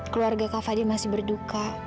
keluarga kak fadil masih berduka